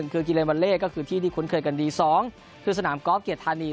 คือกิเลนวาเล่ก็คือที่ที่คุ้นเคยกันดี๒คือสนามกอล์ฟเกียรติธานี